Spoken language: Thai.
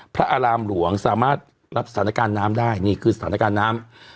พระอารามหลวงสามารถรับสถานการณ์น้ำได้นี่คือสถานการณ์น้ำ